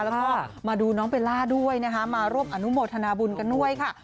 แล้วก็มาดูน้องเบลล่าด้วยนะคะมาร่วมอนุโมทนาบุญกันด้วยค่ะ